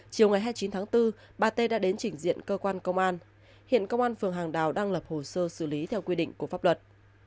chiều ngày hai mươi chín tháng bốn bà tê đã đến chỉnh diện cơ quan công an hiện công an phường hàng đào đang lập hồ sơ xử lý theo quy định của pháp luật